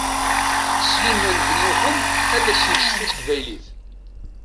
Sliman d Muḥend ad asen-tecfu teqbaylit.